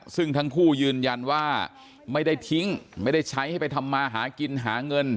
ซึ่งทั้งคู่ยืนยันว่าไม่ได้ทิ้งไม่ได้ใช้ให้ไปทำมาหากินหาเงิน